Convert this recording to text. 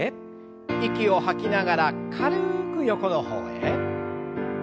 息を吐きながら軽く横の方へ。